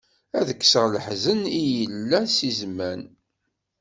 Ad kkseɣ leḥzen, i yella si zzman.